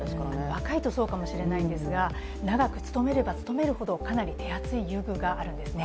若いとそうかもしれないんですが長く勤めれば勤めるほど、かなり手厚い優遇があるんですね。